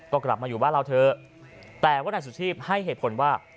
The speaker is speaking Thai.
ก็กลับมาอยู่บ้านเราเถอะแต่ว่านายสุชีพให้เหตุผลว่า